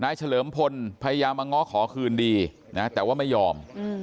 เฉลิมพลพยายามมาง้อขอคืนดีนะแต่ว่าไม่ยอม